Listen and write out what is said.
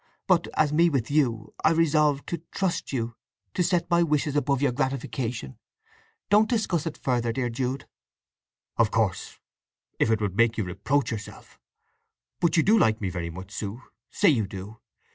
But, as me with you, I resolved to trust you to set my wishes above your gratification. Don't discuss it further, dear Jude!" "Of course, if it would make you reproach yourself… but you do like me very much, Sue? Say you do!